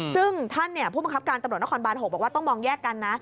ซึ่งท่านผู้บังคับการตำรวจนครบาน๖บอกว่าต้องมองแยกกันนะ